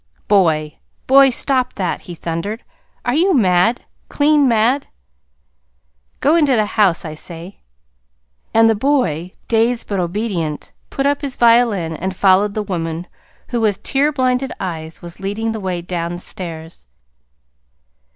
"Boy, boy, stop that!" he thundered. "Are you mad clean mad? Go into the house, I say!" And the boy, dazed but obedient, put up his violin, and followed the woman, who, with tear blinded eyes, was leading the way down the stairs.